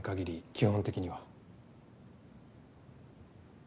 基本的には。